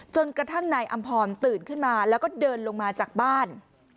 จนกระทั่งนายอำพรตื่นขึ้นมาแล้วก็เดินลงมาจากบ้าน